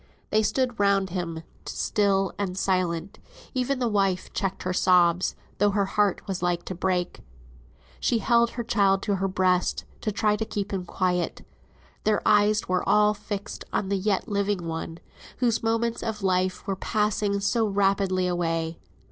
They stood round him still and silent; even the wife checked her sobs, though her heart was like to break. She held her child to her breast, to try and keep him quiet. Their eyes were all fixed on the yet living one, whose moments of life were passing so rapidly away.